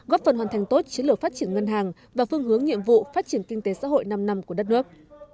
góp phần hoàn thành tốt chiến lược phát triển ngân hàng và phương hướng nhiệm vụ phát triển kinh tế xã hội năm năm của đất nước